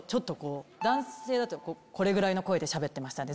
男性だとこれぐらいの声でしゃべってた。